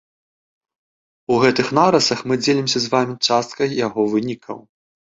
У гэтых нарысах мы дзелімся з вамі часткай яго вынікаў.